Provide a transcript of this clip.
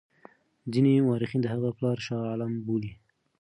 ځیني مورخین د هغه پلار شاه عالم بولي.